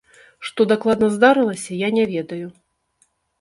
Што дакладна здарылася, я не ведаю.